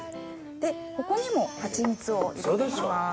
ここにもハチミツを入れていきます。